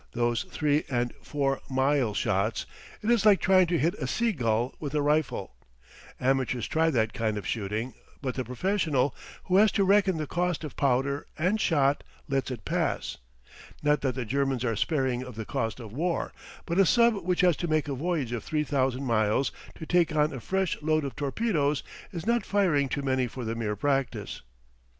Those three and four mile shots it is like trying to hit a sea gull with a rifle. Amateurs try that kind of shooting, but the professional, who has to reckon the cost of powder and shot, lets it pass. Not that the Germans are sparing of the cost of war, but a sub which has to make a voyage of three thousand miles to take on a fresh load of torpedoes is not firing too many for the mere practice.